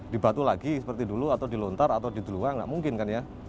di batu lagi seperti dulu atau di lontar atau di luar nggak mungkin kan ya